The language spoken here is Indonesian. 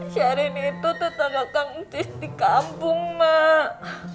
sari ni itu tetangga kang cis di kampung mbak